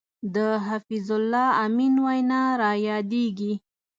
د حفیظ الله امین وینا را یادېږي.